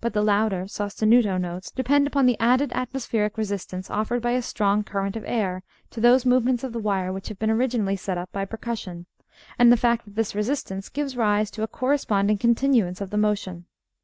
But the louder sostenuto notes depend upon the added atmospheric resistance offered by a strong current of air to those movements of the wire which have been originally set up by percussion, and the fact that this resistance gives rise to a corresponding continuance of the motion.